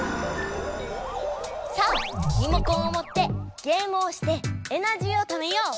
さあリモコンをもってゲームをしてエナジーをためよう！